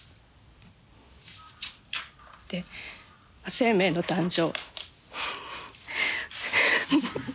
生命の誕生。